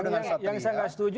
yang saya nggak setuju